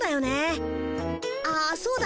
あっそうだ。